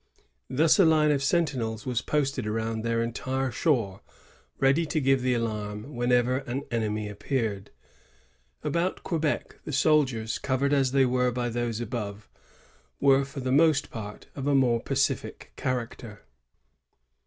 Thus a line of sentinels was posted around their entire shore, ready to give the alarm whenever an enemy appeared. About Quebec the settlements, covered as they were by those above, were for the most part of a more pacific character.